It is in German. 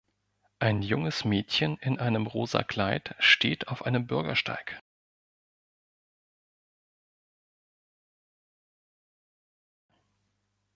Ein junges Mädchen in einem rosa Kleid steht auf einem Bürgersteig.